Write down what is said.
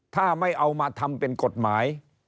ถ้าไม่เอามาทำเป็นกฎหมาย